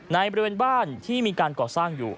บริเวณบ้านที่มีการก่อสร้างอยู่